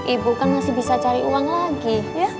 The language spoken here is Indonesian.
ibu kan masih bisa cari uang lagi